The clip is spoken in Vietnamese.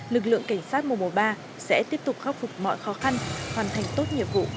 lực lượng cảnh sát mùa mùa ba sẽ tiếp tục khắc phục mọi khó khăn hoàn thành tốt nhiệm vụ